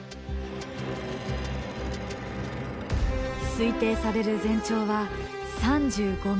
推定される全長は３５ｍ。